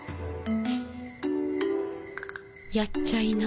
やっちゃいな。